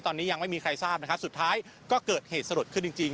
ตอนนี้ยังไม่มีใครทราบนะครับสุดท้ายก็เกิดเหตุสลดขึ้นจริง